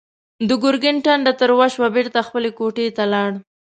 د ګرګين ټنډه تروه شوه، بېرته خپلې کوټې ته لاړ.